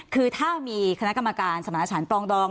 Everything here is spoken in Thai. คือถ้ามีคณะกรรมการสำนักอาชารณ์ปรองดอง